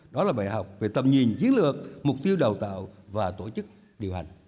đó là bài học về tầm nhìn chiến lược mục tiêu đào tạo và tổ chức điều hành